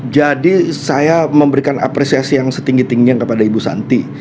jadi saya memberikan apresiasi yang setinggi tingginya kepada ibu santi